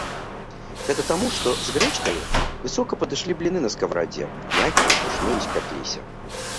Гэта таму, што з грэчкаю, высока падышлі бліны на скаварадзе, мяккія, пушныя спякліся.